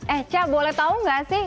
eh aca boleh tau nggak sih